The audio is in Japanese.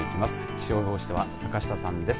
気象予報士は坂下さんです。